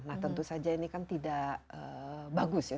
nah tentu saja ini kan tidak bagus ya